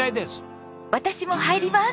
私も入ります！